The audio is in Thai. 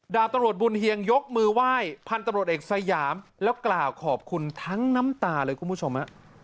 ดาบตำรวจบุญเฮียงยกมือไหว้พันธุ์ตำรวจเอกสยามแล้วกล่าวขอบคุณทั้งน้ำตาเลยคุณผู้ชม